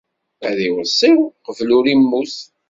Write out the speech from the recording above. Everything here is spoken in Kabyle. Ad iweṣṣi qbel ur immut.